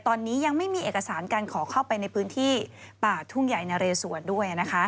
ตอนนี้ยังไม่มีเอกสารการขอเข้าไปในพื้นที่ป่าทุ่งใหญ่นะเรสวนด้วยนะคะ